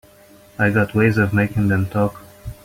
I got ways of making them talk.